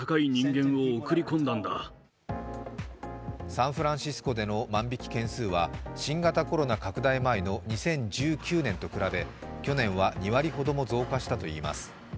サンフランシスコでの万引き件数は新型コロナ拡大前の２０１９年と比べ去年は２割ほども増加したといいます。